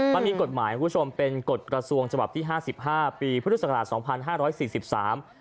มันมีกฎหมายคุณผู้ชมเป็นกฎกระทรวงฉบับที่ห้าสิบห้าปีพุทธศักราชสองพันห้าร้อยสี่สิบสาม